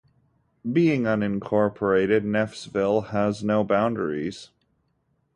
Being unincorporated, Neffsville has no boundaries.